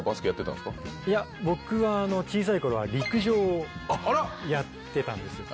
いや僕は小さい頃は陸上をやってたんです。